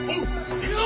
行くぞ！